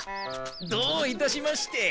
どういたしまして。